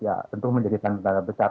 ya tentu menjadi sidata besar